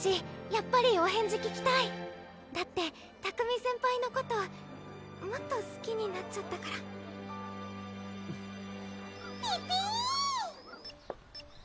やっぱりお返事聞きたいだって拓海先輩のこともっとすきになっちゃったからピピー！